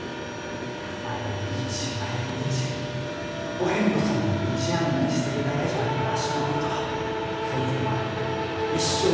毎日毎日お遍路さんの道案内してるだけじゃったわしのこと先生は「一生忘れられん出会いじゃ」